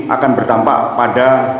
akan berdampak pada